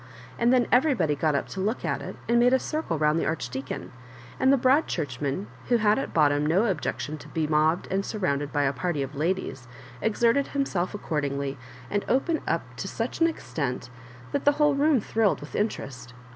And then everybody got up to look at it, and made a circle round the Archdeacon ; and the Broad Churchman, who bad at bottom no objection to be mobbed and surrounded by a party of ladies, exerted himself accordingly, and opened up to such an extent, that the whole room thrilled with interest.